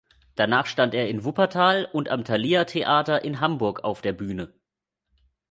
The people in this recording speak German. Danach stand er in Wuppertal und am Thalia Theater in Hamburg auf der Bühne.